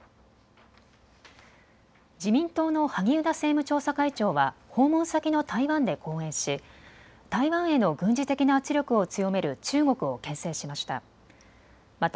自民党の萩生田政務調査会長は訪問先の台湾で講演し台湾への軍事的な圧力を強める中国をけん制しました。